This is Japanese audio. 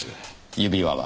指輪は？